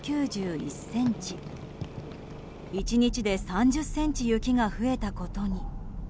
１日で３０ｃｍ雪が増えたことに。